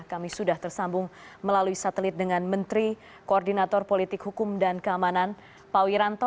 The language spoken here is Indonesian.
kami sudah tersambung melalui satelit dengan menteri koordinator politik hukum dan keamanan pak wiranto